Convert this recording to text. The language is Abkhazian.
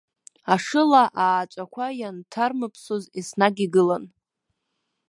Ашыла ааҵәақәа ианҭармыԥсоз, еснагь игылан.